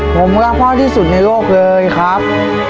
ผมรักพ่อที่สุดในโลกเลยครับ